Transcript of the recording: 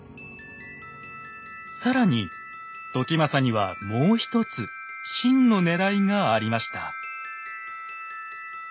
更に時政にはもうひとつ真のねらいがありました。